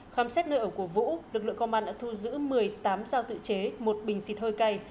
khám xét nơi ở của vũ lực lượng công an đã thu giữ một mươi tám giao tự chế một bình xịt hơi cay